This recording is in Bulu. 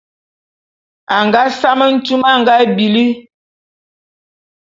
A nga same ntume a nga bili.